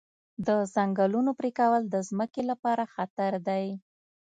د ځنګلونو پرېکول د ځمکې لپاره خطر دی.